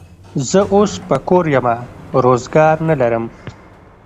زه اوس په کور یمه، روزګار نه لرم.